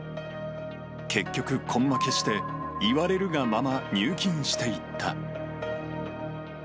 結局、根負けして、言われるがまま入金していった。